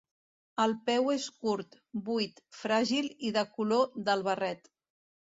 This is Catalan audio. El peu és curt, buit, fràgil i de color del barret.